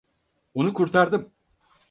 Onu kurtardım.